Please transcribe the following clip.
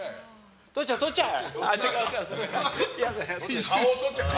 とっちゃえ、とっちゃえ！